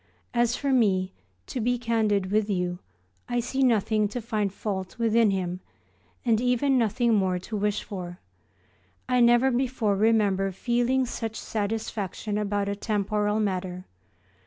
As for me, to be candid with you I see nothing to find fault within him, and even nothing more to wish for. I never before remember feeling such satisfaction about a temporal matter.